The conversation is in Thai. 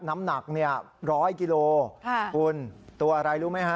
น้ำหนักเนี่ยร้อยกิโลคุณตัวอะไรรู้ไหมฮะ